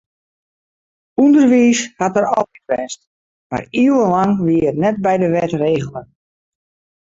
Underwiis hat der altyd west, mar iuwenlang wie it net by de wet regele.